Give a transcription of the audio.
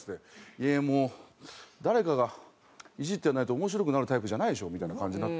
「いやもう誰かがイジってないと面白くなるタイプじゃないでしょ」みたいな感じになって。